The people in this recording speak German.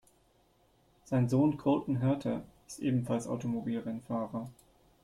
Sein Sohn Colton Herta ist ebenfalls Automobilrennfahrer.